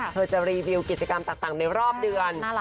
เธอจะรีวิวกิจกรรมต่างในรอบเดือน